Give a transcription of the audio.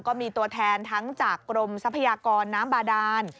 ก็มีตัวแทนทั้งจากกรมทรัพยากรน้ำบาดาน